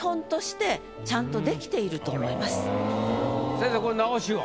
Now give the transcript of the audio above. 先生これ直しは？